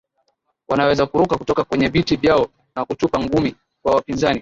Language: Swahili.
wanaweza kuruka kutoka kwenye viti vyao na kutupa ngumi kwa wapinzani